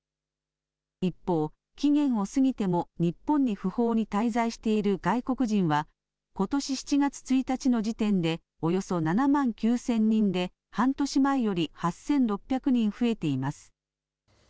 一方、期限を過ぎても日本に不法に滞在している外国人はことし７月１日の時点でおよそ７万９０００人で半年前より８６００人増えています。